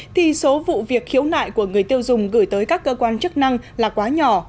thì số vụ việc khiếu nại của người tiêu dùng gửi tới các cơ quan chức năng là quá nhỏ